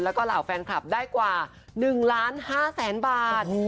แล้วก็เหล่าแฟนคลับได้กว่า๑๕๐๐๐๐๐บาท